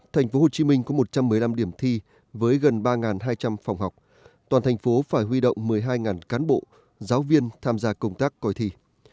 thành phố hồ chí minh có một trăm một mươi năm điểm thi với gần ba hai trăm linh phòng học toàn thành phố phải huy động một mươi hai cán bộ giáo viên tham gia công tác coi thi